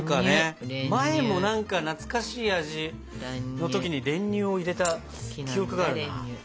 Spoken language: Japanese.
前も何か懐かしい味の時に練乳を入れた記憶があるな。